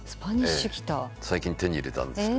最近手に入れたんですけど。